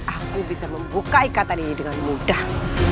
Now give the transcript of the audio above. aku bisa membuka ikatan ini dengan mudah